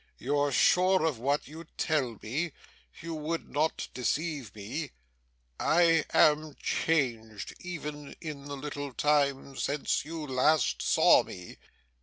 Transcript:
'You're sure of what you tell me? You would not deceive me? I am changed, even in the little time since you last saw me.